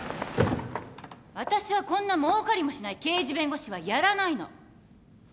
私はこんなもうかりもしない刑事弁護士はやらないの